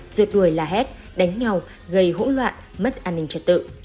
giật đuổi là hết đánh nhau gây hỗn loạn mất an ninh trật tự